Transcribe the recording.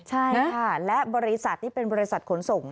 ใช่ค่ะและบริษัทที่เป็นบริษัทขนส่ง